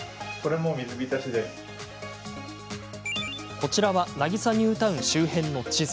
こちらはなぎさニュータウン周辺の地図。